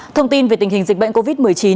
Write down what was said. thông tin về tình hình dịch bệnh covid một mươi chín